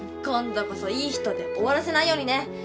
今度こそいい人で終わらせないようにね。